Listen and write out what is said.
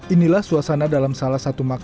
inilah suasana dalam salah satu makanan